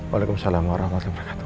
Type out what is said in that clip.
waalaikumsalam warahmatullahi wabarakatuh